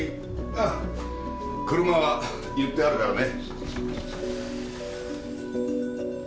あっ車は言ってあるからね。